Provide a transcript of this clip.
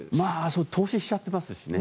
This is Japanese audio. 投資しちゃってますしね。